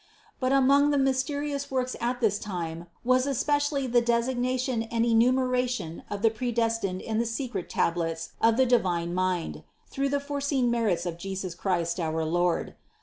But among the mysterious works at this time was especially the desig nation and enumeration of the predestined in the secret tablets of the divine mind through the foreseen merits of Jesus Christ, our Lord.